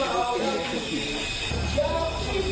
นะบอกต่อให้คงมี